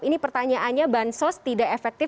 ini pertanyaannya bahan sos tidak efektif